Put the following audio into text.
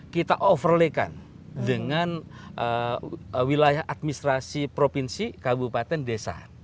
kita overlaykan dengan wilayah administrasi provinsi kabupaten desa